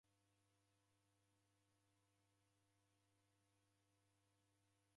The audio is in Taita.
Odew'uya sena